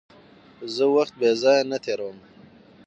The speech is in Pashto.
زه وخت بېځایه نه تېرووم.